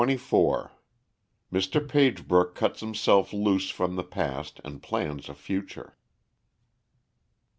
CHAPTER XXIV. _Mr. Pagebrook Cuts himself loose from the Past and Plans a Future.